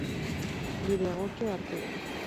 Bide egokia hartu du.